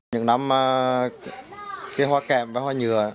những năm hoa kèm và hoa nhựa